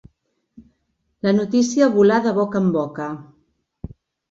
La notícia volà de boca en boca.